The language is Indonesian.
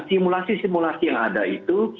simulasi simulasi yang ada itu